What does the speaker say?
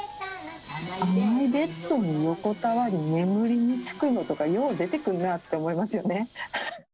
甘いベッドに横たわり眠りに就くのとか、よう出てくるなって思いますよね。